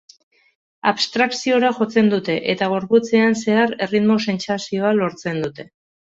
Abstrakziora jotzen dute eta gorputzean zehar erritmo sentsazioa lortzen dute.